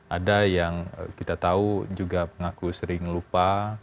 ada yang kita tahu juga mengaku sering lupa